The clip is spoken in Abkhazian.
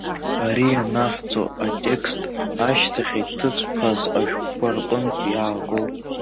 Ара ианаҳҵо атекст ашьҭахь иҭыҵқәаз ашәҟәқәа рҟынтә иаагоуп.